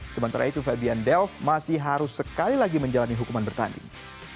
sementara itu febian delv masih harus sekali lagi menjalani hukuman bertanding